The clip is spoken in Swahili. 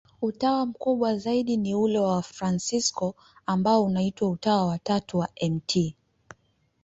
Utawa mkubwa zaidi ni ule wa Wafransisko, ambao unaitwa Utawa wa Tatu wa Mt.